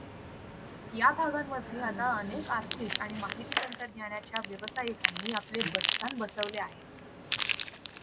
या भागांमधे आता अनेक आर्थिक आणि माहिती तंत्रज्ञानाच्या व्यवसायिकांनी आपले बस्तान बसवले आहे.